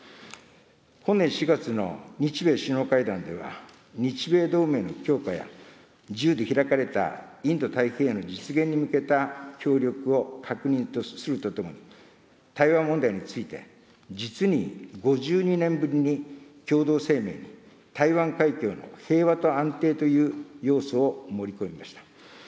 本年４月の日米首脳会談では、日米同盟の強化や、自由で開かれたインド太平洋の実現に向けた協力を確認するとともに、台湾問題について、実に５２年ぶりに共同声明に台湾海峡の平和と安定という要素を盛り込みました。